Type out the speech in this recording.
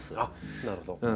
なるほど。